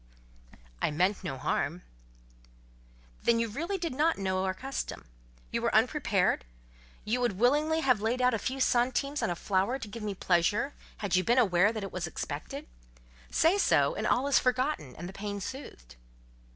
"I meant no harm." "Then you really did not know our custom? You were unprepared? You would willingly have laid out a few centimes on a flower to give me pleasure, had you been aware that it was expected? Say so, and all is forgotten, and the pain soothed."